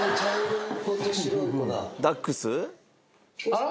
あら？